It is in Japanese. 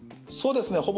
そうですね。